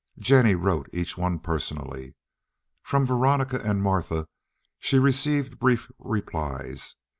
Jennie wrote each one personally. From Veronica and Martha she received brief replies.